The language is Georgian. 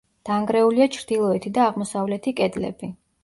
დანგრეულია ჩრდილოეთი და აღმოსავლეთი კედლები.